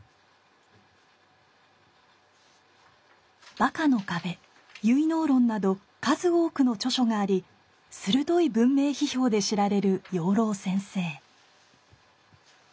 「バカの壁」「唯脳論」など数多くの著書があり鋭い文明批評で知られる養老センセイ。